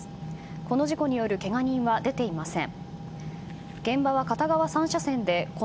この事故によるけが人は出ていません。